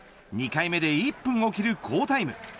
２回目で１分を切る好タイム。